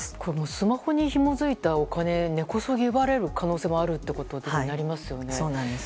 スマホにひもづいたお金根こそぎ奪われる可能性もあるってことになりますよね。